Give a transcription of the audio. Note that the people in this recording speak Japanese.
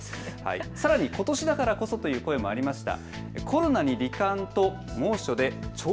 さらにことしだからこそという声もありました。